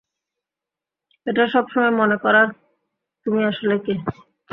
এটা সব সময় মনে করাবে তুমি আসলে কে।